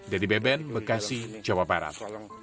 dedy beben bekasi jawa barat